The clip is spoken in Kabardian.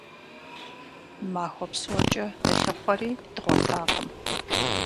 Махуэ псокӀэ дылъыхъуэри дгъуэтакъым.